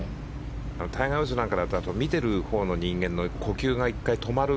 タイガー・ウッズなんかだと見てるほうの人間の呼吸が一回止まる。